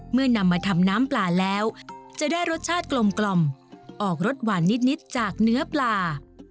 นำมาทำน้ำปลาแล้วจะได้รสชาติกลมออกรสหวานนิดจากเนื้อปลา